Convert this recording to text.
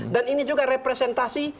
dan ini juga representasi